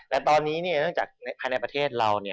และตอนนี้เนี่ยเนี่ยที่แผ่นในประเทศเราเนี่ย